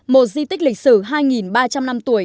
một di tích lịch sử hai ba trăm linh năm tuổi